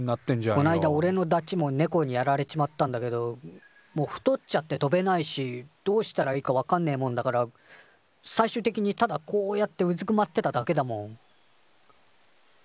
こないだおれのダチもネコにやられちまったんだけどもう太っちゃって飛べないしどうしたらいいかわかんねえもんだから最終的にただこうやってうずくまってただけだもん。